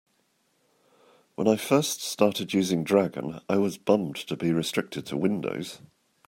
When I first started using Dragon, I was bummed to be restricted to Windows.